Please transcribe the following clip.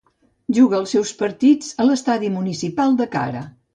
Juga els seus partits a l'Estadi Municipal de Kara.